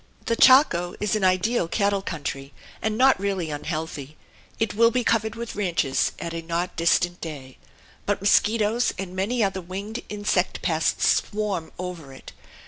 The Chaco is an ideal cattle country, and not really unhealthy. It will be covered with ranches at a not distant day. But mosquitoes and many other winged insect pests swarm over it.